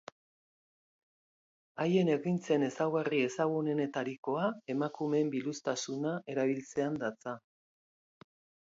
Haien ekintzen ezaugarri ezagunenetarikoa emakumeen biluztasuna erabiltzean datza.